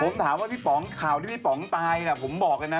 ผมถามว่าพี่ป๋องข่าวที่พี่ป๋องตายผมบอกเลยนะ